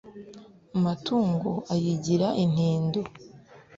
matungo ayigira intindo